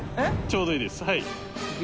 ちょうどいいですはい。